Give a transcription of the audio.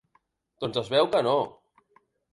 Doncs es veu que no.